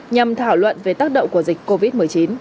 nhằm thảo luận về tác động của dịch covid một mươi chín